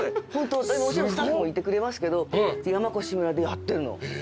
もちろんスタッフもいてくれますけど山古志村でやってるの。